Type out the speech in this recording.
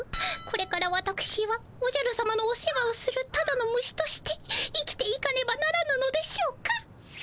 これからわたくしはおじゃるさまのお世話をするただの虫として生きていかねばならぬのでしょうか。